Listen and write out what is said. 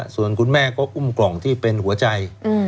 ส่วนคุณแม่ก็อุ้มกล่องที่เป็นหัวใจ